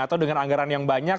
atau dengan anggaran yang banyak